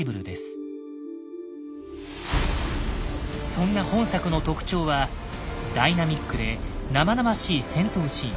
そんな本作の特徴はダイナミックで生々しい戦闘シーン。